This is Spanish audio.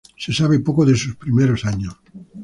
Se sabe poco de sus primeros años.